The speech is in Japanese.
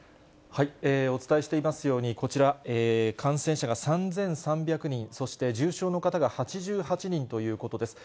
お伝えしていますように、こちら、感染者が３３００人、そして重症の方が８８人ということです。